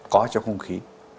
có trong không khí